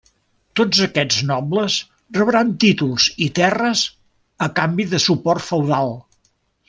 Tots aquests nobles rebran títols i terres a canvi de suport feudal.